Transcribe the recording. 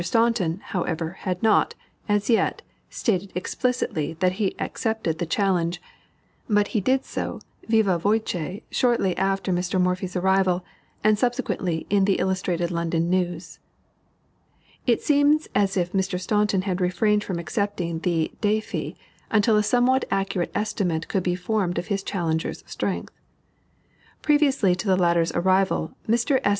Staunton, however, had not, as yet, stated explicitly that he accepted the challenge, but he did so viva voce shortly after Mr. Morphy's arrival, and subsequently, in the Illustrated London News. It seems as if Mr. Staunton had refrained from accepting the défi until a somewhat accurate estimate could be formed of his challenger's strength. Previously to the latter's arrival, Mr. S.'